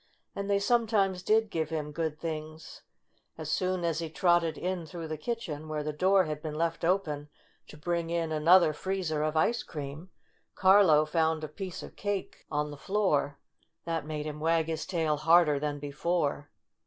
And they sometimes did give him good things. As soon as he trotted in through the kitchen, where the door had been left open to bring in another freezer of ice cream, Carlo found a piece of cake on the 66 STORY OF A SAWDUST DOLL floor. That made him wag his tail harder than before.